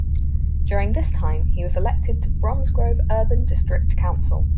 During this time he was elected to Bromsgrove Urban District Council.